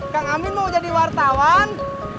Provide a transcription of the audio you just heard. kang amin mau jadi wartawan